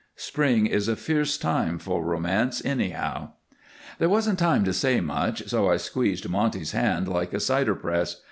Spring is a fierce time for romance, anyhow. There wasn't time to say much, so I squeezed Monty's hand like a cider press.